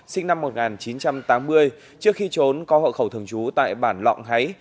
sinh năm một nghìn chín trăm tám mươi trước khi trốn có hậu khẩu thường trú tại bản lọng háy